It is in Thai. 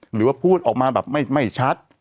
หรือว่าพูดออกมาแบบไม่ชัด